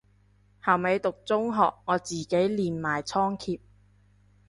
後尾讀中學我自己練埋倉頡